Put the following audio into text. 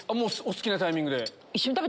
お好きなタイミングで。